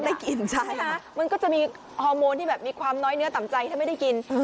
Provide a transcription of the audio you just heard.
ได้กินใช่มันก็จะมีฮอร์โมนที่แบบมีความน้อยเนื้อต่ำใจถ้าไม่ได้กิน